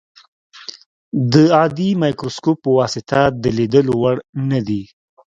د عادي مایکروسکوپ په واسطه د لیدلو وړ نه دي.